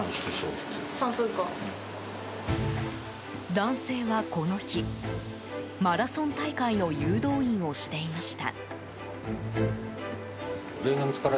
男性はこの日、マラソン大会の誘導員をしていました。